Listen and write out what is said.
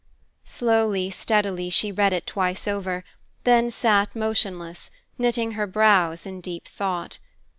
_ Slowly, steadily she read it twice over, then sat motionless, knitting her brows in deep thought.